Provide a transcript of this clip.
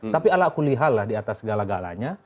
tapi ala kulihalah di atas segala galanya